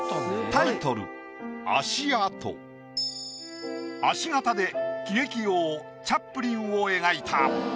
タイトル足形で喜劇王チャップリンを描いた。